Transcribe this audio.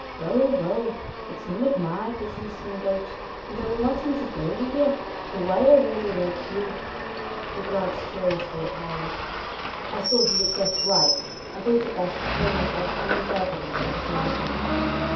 " Well, well, it 's none of my business, no doul)t, and I will not interfere with ye ; though why a lady like you " He glanced curiously at Harold. I saw he had guessed right, and thought it best to throw myself unreservedly on his mercy.